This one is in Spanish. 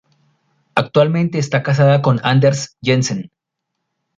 Actualmente esta casada con Anders Jensen.